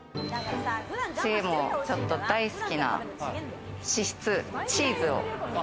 次も、ちょっと大好きな脂質、チーズを。